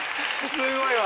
すごいわ。